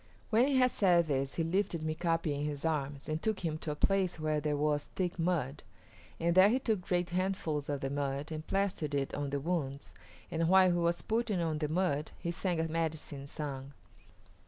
When he had said this he lifted Mika´pi in his arms and took him to a place where there was thick mud, and there he took great handfuls of the mud and plastered it on the wounds, and while he was putting on the mud he sang a medicine song.